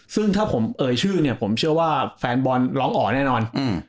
ซึ่งถ้าผมเอ่ยชื่อเนี่ยผมเชื่อว่าแฟนบอลร้องอ๋อแน่นอน